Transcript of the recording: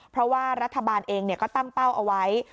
เพราะว่ารัฐบาลเองก็ตั้งเป้าเอาไว้